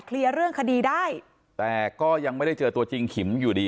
เรื่องคดีได้แต่ก็ยังไม่ได้เจอตัวจริงขิมอยู่ดี